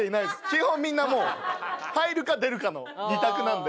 基本みんなもう入るか出るかの２択なんで。